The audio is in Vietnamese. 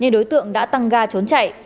đối tượng đã tăng ga trốn chạy